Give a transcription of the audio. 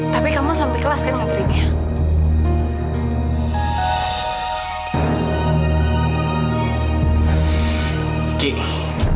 tapi kamu sampe kelas kan ngapain ya